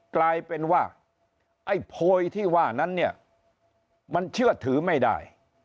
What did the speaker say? กลายเป็นว่าไอ้โพยที่ว่านั้นเนี่ยมันเชื่อถือไม่ได้